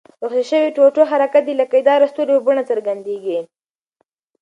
د خوشي شوي ټوټو حرکت د لکۍ داره ستوري په بڼه څرګندیږي.